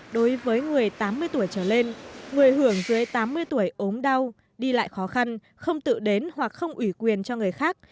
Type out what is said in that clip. đối với người tám mươi tuổi trở lên người hưởng dưới tám mươi tuổi ốm đau đi lại khó khăn không tự đến hoặc không ủy quyền cho người khác